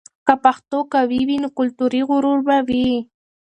که پښتو قوي وي، نو کلتوري غرور به وي.